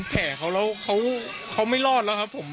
แผลเขาแล้วเขาไม่รอดแล้วครับผม